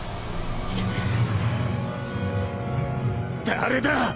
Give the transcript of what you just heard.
誰だ？